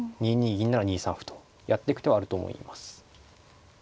銀なら２三歩とやってく手はあると思います。